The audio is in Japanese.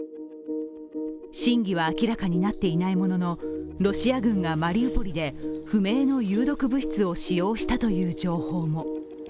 真偽は明らかになっていないものの、ロシア軍がマリウポリで不明の有毒物質を使用したという情報も。